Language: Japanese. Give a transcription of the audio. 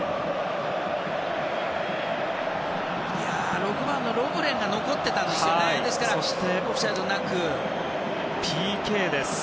６番のロブレンが残っていたんですよね。